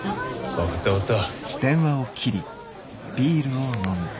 分かった分かった。